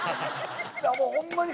もうホンマに。